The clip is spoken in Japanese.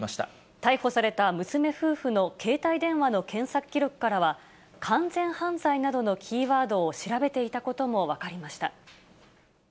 逮捕された娘夫婦の携帯電話の検索記録からは、完全犯罪などのキーワードを調べていたことも分かりました。